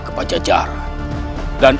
aku harus membantu dia